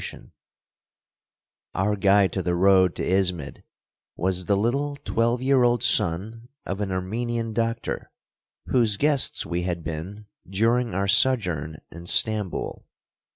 2 Across Asia on a Bicycle Our guide to the road to Ismid was the little twelve year old son of an Armenian doctor, whose guests we had been during our sojourn in Stamboul.